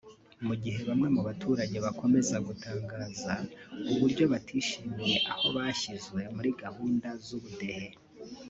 Mu gihe bamwe mu baturage bakomeza gutangaza uburyo batishimiye aho bashyizwe muri gahunda z’ubudehe